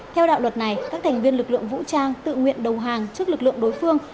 theo đạo luật này các thành viên lực lượng vũ trang tự nguyện đầu hàng trước lực lượng đối phương